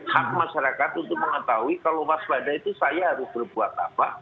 hak masyarakat untuk mengetahui kalau waspada itu saya harus berbuat apa